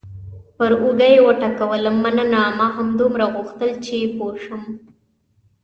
پر اوږه یې وټکولم: مننه، ما همدومره غوښتل چې پوه شم.